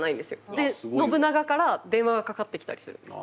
で信長から電話がかかってきたりするんです。